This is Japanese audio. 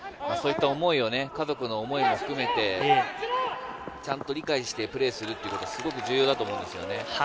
そういった家族の思いも含めて、ちゃんと理解してプレーするっていうのはすごく重要だと思うんですよね。